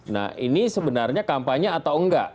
nah ini sebenarnya kampanye atau enggak